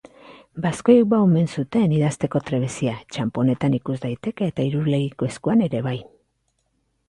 Baskoiek ba omen zuten idazteko trebezia; txanponetan ikus daiteke eta Irulegiko eskuan ere bai.